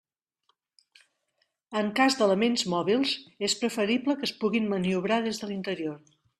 En cas d'elements mòbils és preferible que es puguin maniobrar des de l'interior.